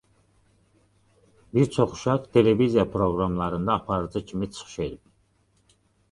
Bir çox uşaq televiziya proqramlarında aparıcı kimi çıxış edib.